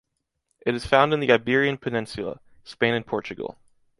It is found in the Iberian Peninsula: Spain and Portugal.